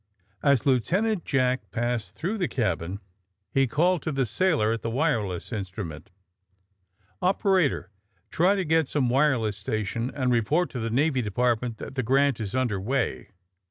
As Lieutenant Jack passed through the cabin he called to the sailor at the wireless instru ment :^^ Operator, try to get some wireless station, and report to the Navy Department that the 'Grant' is under way."